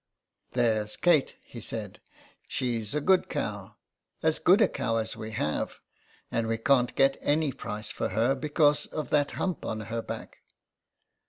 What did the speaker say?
"There's Kate," he said; "she's a good cow; as good a cow as we have, and we can't get any price for her because of that hump on her back."